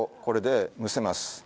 これで蒸せます。